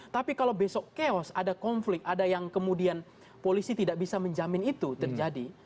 tapi kalau besok chaos ada konflik ada yang kemudian polisi tidak bisa menjamin itu terjadi